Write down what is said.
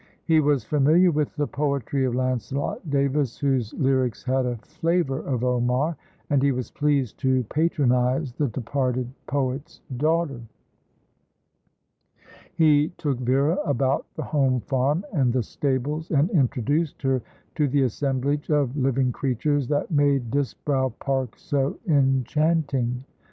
He was familiar with the poetry of Lancelot Davis, whose lyrics had a flavour of Omar; and he was pleased to patronise the departed poet's daughter. He took Vera about the home farm, and the stables, and introduced her to the assemblage of living creatures that made Disbrowe Park so enchanting.